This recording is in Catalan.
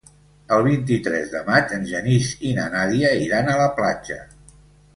El vint-i-tres de maig en Genís i na Nàdia iran a la platja.